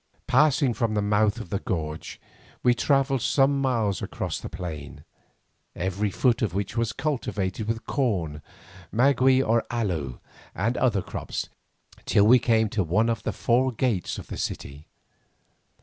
Passing from the mouth of the gorge we travelled some miles across the plain, every foot of which was cultivated with corn, maguey or aloe, and other crops, till we came to one of the four gates of the city.